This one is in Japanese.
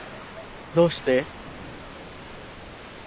どうして？